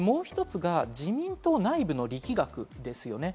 もう一つは自民党内部の力学。